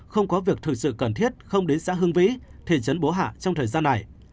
không có việc thực sự cần thiết không đến xã hương vĩ thị trấn bố hạ trong thời gian này